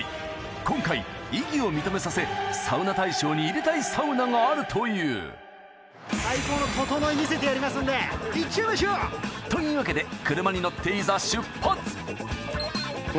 今回異議を認めさせサウナ大賞に入れたいサウナがあるという最高のととのい見せてやりますんでいっちゃいましょうというわけで車に乗っていざ出発！